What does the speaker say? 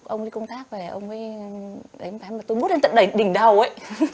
ông ấy công tác về ông ấy đánh bác ấy mà tôi mút lên tận đầy đỉnh đầu ấy